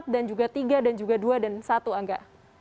empat dan juga tiga dan juga dua dan satu angga